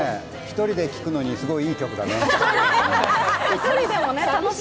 １人で聴くのにすごくいい曲だね。